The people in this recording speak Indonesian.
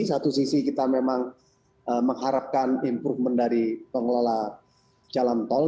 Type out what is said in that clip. satu sisi kita memang mengharapkan improvement dari pengelola jalan tol